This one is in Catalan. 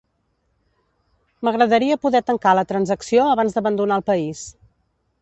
M'agradaria poder tancar la transacció abans d'abandonar el país.